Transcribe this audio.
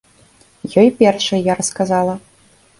Ёй першай я расказала.